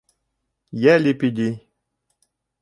Йә, Лепидий!